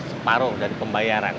separuh dari pembayaran